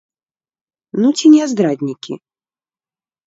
Ну ці не здраднікі?!